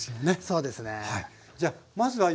そうですね。